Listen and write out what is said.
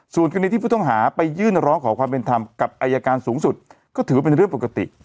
ส่วนคดีที่ผู้ต้องหาไปยื่นร้องขอความเป็นธรรมกับอายการสูงสุดก็ถือว่าเป็นเรื่องปกติ